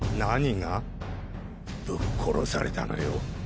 ぶっ殺されたのよ。